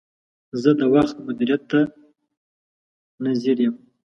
زه د وخت مدیریت ته نه ځیر یم.